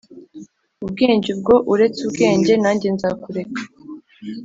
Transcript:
ubwenge Ubwo uretse ubwenge nanjye nzakureka